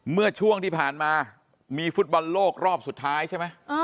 เมื่อช่วงที่ผ่านมามีฟุตบอลโลกรอบสุดท้ายใช่ไหม